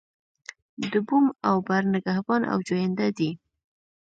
د بوم او بر نگهبان او جوینده دی.